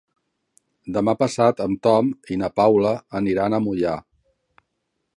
Demà passat en Tom i na Paula aniran a Moià.